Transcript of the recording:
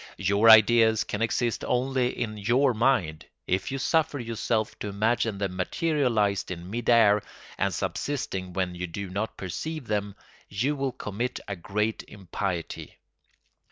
Your ideas can exist only in your mind; if you suffer yourself to imagine them materialised in mid air and subsisting when you do not perceive them, you will commit a great impiety.